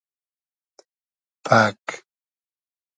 پئگ